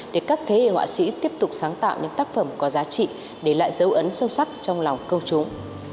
để các thế hệ họa sĩ tiếp tục sáng tạo những tác phẩm có giá trị để lại dấu ấn sâu sắc trong lòng công chúng